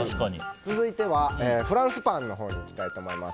続いては、フランスパンにいきたいと思います。